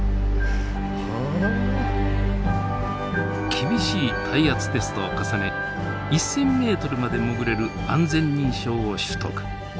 厳しい耐圧テストを重ね１，０００ｍまで潜れる安全認証を取得。